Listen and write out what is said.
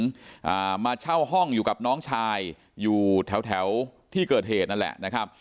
อ่ามาเช่าห้องอยู่กับน้องชายอยู่แถวแถวที่เกิดเหตุนั่นแหละนะครับ